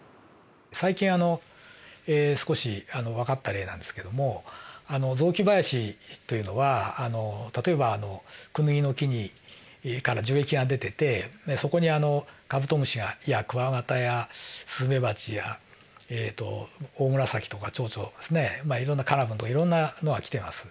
最近少しわかった例なんですけども雑木林というのは例えばクヌギの木から樹液が出ててそこにカブトムシやクワガタやスズメバチやオオムラサキとかチョウチョですねまあいろんなカナブンとかいろんなのが来てます。